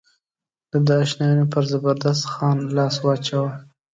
د ده اشنایانو پر زبردست خان لاس واچاوه.